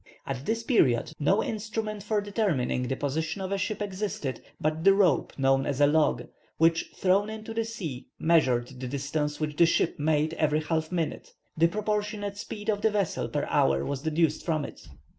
At this period, no instrument for determining the position of a ship existed but the rope known as a log, which, thrown into the sea, measured the distance which the ship made every half minute; the proportionate speed of the vessel per hour was deduced from it.